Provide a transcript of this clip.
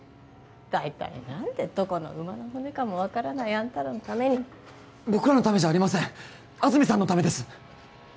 大体何でどこの馬の骨かも分からないあんたらのために僕らのためじゃありません安住さんのためです